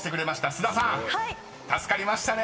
［須田さん助かりましたね］